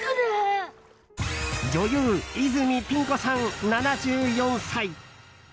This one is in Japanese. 女優・泉ピン子さん、７４歳。